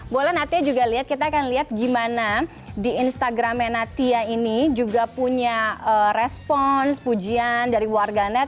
boleh natia juga lihat kita akan lihat gimana di instagramnya natia ini juga punya respons pujian dari warganet